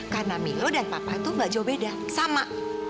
karena milo dan papa itu nggak jauh beda sama